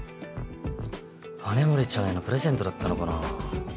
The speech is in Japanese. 羽森ちゃんへのプレゼントだったのかな。